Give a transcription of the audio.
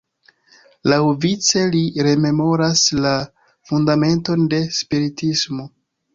Laŭvice li rememoras la fundamenton de Spiritismo.